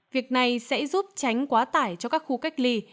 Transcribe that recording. việc này sẽ giúp tránh quá tải cho các khu cách ly